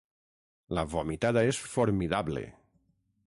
La vomitada és formidable.